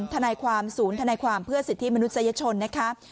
ทนายความศูนย์ธนายความเพื่อสิทธิมนุษยชนนะคะ